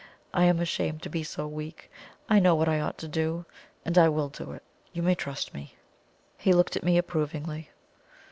"I am ashamed to be so weak. I know what I ought to do, and I will do it. You may trust me." He looked at me approvingly.